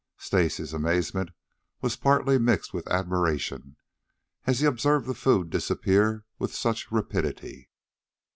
Stacy's amazement was partly mixed with admiration as he observed the food disappear with such rapidity.